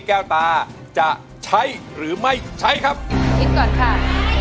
แก้วตาจะใช้หรือไม่ใช้ครับคิดก่อนค่ะ